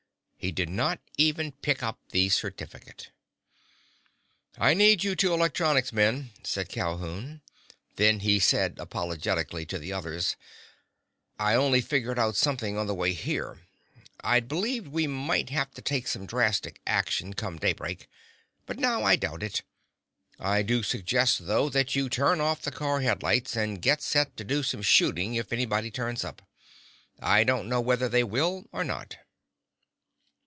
He did not even pick up the certificate. "I need you two electronics men," said Calhoun. Then he said apologetically to the others, "I only figured out something on the way here. I'd believed we might have to take some drastic action, come daybreak. But now I doubt it. I do suggest, though, that you turn off the car headlights and get set to do some shooting if anybody turns up. I don't know whether they will or not."